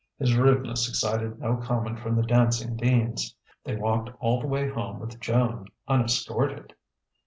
His rudeness excited no comment from the Dancing Deans. They walked all the way home with Joan, unescorted.